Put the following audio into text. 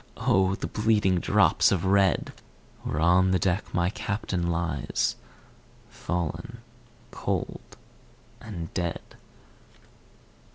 O the bleeding drops of red, Where on the deck my Captain lies, Fallen cold and dead.